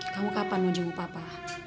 kamu kapan mau jengu papa